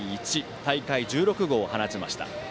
大会１６号を放ちました。